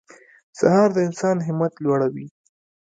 سهار د انسان همت لوړوي.